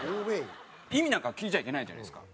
意味なんか聞いちゃいけないじゃないですか。